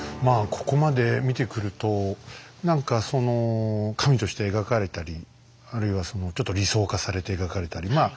ここまで見てくると何かその神として描かれたりあるいはちょっと理想化されて描かれたりまあ